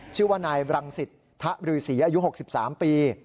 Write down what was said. ชื่อว่านายบรังสิตทะบรือศรีอายุ๖๓ปี